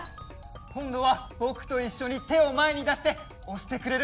こんどはぼくといっしょにてをまえにだしておしてくれる？